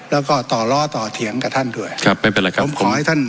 แล้วก็ต่อล้อต่อเถียงกับท่านด้วยครับไม่เป็นไรครับผมขอให้ท่าน